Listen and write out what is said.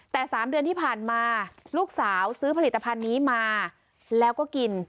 แต่๓เดือนที่ผ่านมาลูกสาวซื้อผลิตภัณฑ์นี้มาแล้วก็กิน